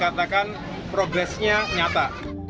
bisa dikatakan progresnya nyata